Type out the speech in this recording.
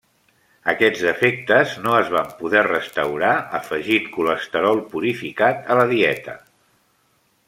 Aquests defectes no es van poder restaurar afegint colesterol purificat a la dieta.